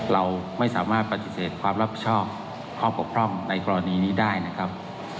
เราไม่สามารถปฏิเสธความรับผิดชอบข้อปกพร่องในกรณีนี้ได้นะครับ